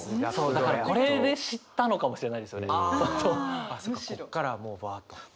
だからこれで知ったのかもしれないですよね。